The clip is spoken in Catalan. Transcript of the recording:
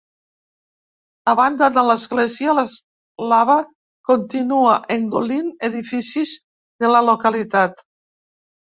A banda de l’església, la lava continua engolint edificis de la localitat.